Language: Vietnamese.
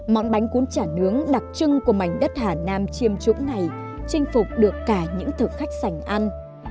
món bánh cuốn trả nướng đặc trưng của mảnh đất hà nam chiêm trũng này chinh phục được cả những thực khách sành ăn